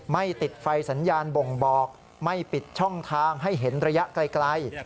ไม่ติดไฟสัญญาณบ่งบอกไม่ปิดช่องทางให้เห็นระยะไกล